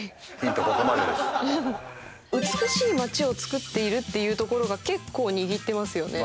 美しい街を作っているっていうところが結構握ってますよね。